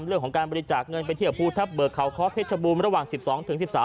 เรื่องของการบริจาคเงินไปเที่ยวภูทับเบิกเขาเคาะเพชรบูรณ์ระหว่าง๑๒ถึง๑๓